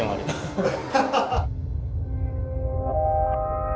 ハハハハ。